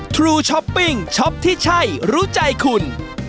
ทรูช้อปปิ้งช็อปที่ใช่รู้ใจคุณ